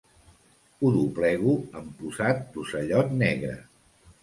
Ho doblego amb posat d'ocellot negre.